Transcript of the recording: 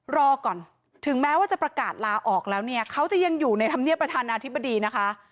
รอก่อนถึงแม้ว่าจะประกาศลาออกแล้วเนี่ยเขาจะยังอยู่ในธรรมเนียบประธานาธิบดีนะคะ